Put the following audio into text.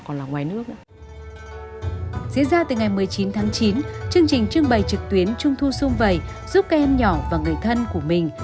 chương trình trưng bày trực tuyến trung thu xung vầy giúp các em nhỏ và người thân của mình